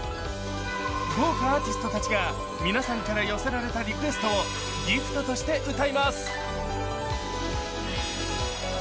豪華アーティストたちが皆さんから寄せられたリクエストをＧＩＦＴとして歌います。